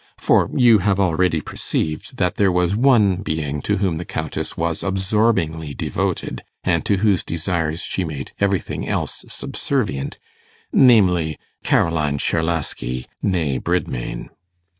For you have already perceived that there was one being to whom the Countess was absorbingly devoted, and to whose desires she made everything else subservient namely, Caroline Czerlaski, nee Bridmain.